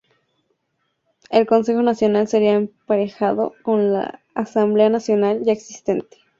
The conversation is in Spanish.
El Concejo Nacional sería emparejado con la Asamblea Nacional ya existente.